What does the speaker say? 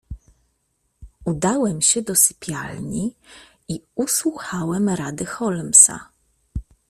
"Udałem się do sypialni i usłuchałem rady Holmesa."